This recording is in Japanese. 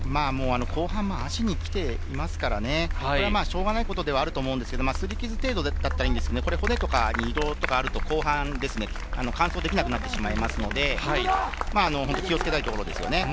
後半、足にきていますからね、しょうがないことではあると思うんですけど擦り傷程度だったらいいですが、骨とかに異常があると、後半完走できなくなってしまいますので、気をつけたいところですね。